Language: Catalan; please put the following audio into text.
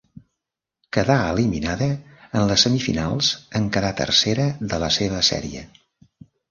Quedà eliminada en les semifinals en quedar tercera de la seva sèrie.